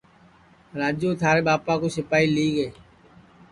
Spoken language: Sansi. راجو تھارے ٻاپا کُو سیپائی لیگے